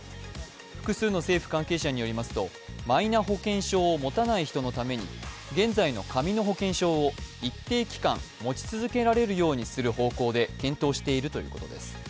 複数の政府関係者によりますとマイナ保険証を持たない人のために現在の紙の保険証を一定期間持ち続けられるようにする方向で検討しているということです。